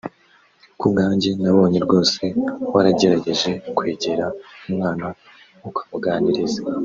Ku bwanjye nabonye rwose waragerageje kwegera umwana ukamuganiriza